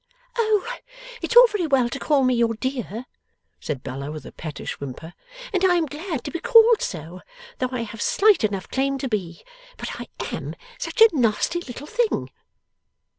'Oh, it's all very well to call me your dear,' said Bella, with a pettish whimper, 'and I am glad to be called so, though I have slight enough claim to be. But I AM such a nasty little thing!